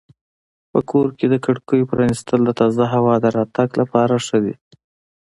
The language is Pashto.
په کور کې د کړکیو پرانیستل د تازه هوا د راتګ لپاره ښه دي.